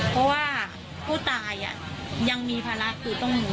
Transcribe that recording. เพราะว่าผู้ตายยังมีภาระคือต้อง